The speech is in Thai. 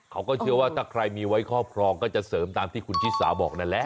เขาก็เชื่อว่าถ้าใครมีไว้ครอบครองก็จะเสริมตามที่คุณชิสาบอกนั่นแหละ